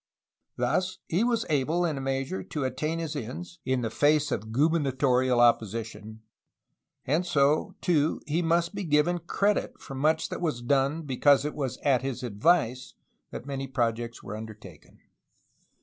Thus he was able in a measure to attain his ends, in the face of gubernatorial opposition, and so too must he be given credit for much that was done be cause it was at his advice that many projects were under taken.